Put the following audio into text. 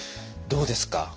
どうですか？